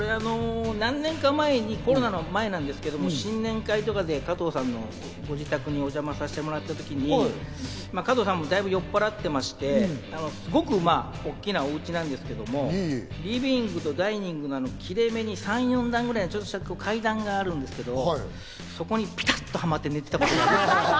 何年か前、コロナの前なんですけど、新年会で加藤さんの家にお邪魔した時に、加藤さんがだいぶ酔っぱらっていまして、すごく大きなお家なんですけど、リビングとダイニングの切れ目に３４段ぐらい、ちょっとした階段があるんですけど、そこにピタッとはまって寝ていたことがあるんです。